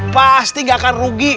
pasti gak akan rugi